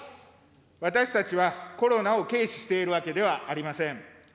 私たちはコロナを軽視しているわけではありません。